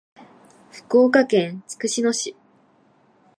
福岡県筑紫野市